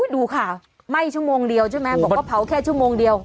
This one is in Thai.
ดูข่าวไหม้ชั่วโมงเดียวใช่ไหมบอกว่าเผาแค่ชั่วโมงเดียว